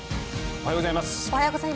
おはようございます。